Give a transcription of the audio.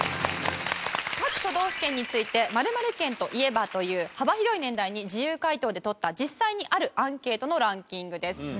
各都道府県について「○○県と言えば？」という幅広い年代に自由回答で取った実際にあるアンケートのランキングです。